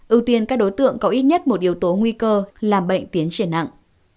ưu tiên các đối tượng có ít nhất một yếu tố nguy cơ làm bệnh tiến triển nặng